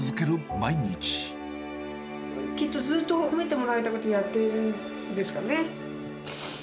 きっとずっと褒めてもらいたくてやっているんですかね。